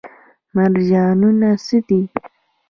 مرجانونه څه دي؟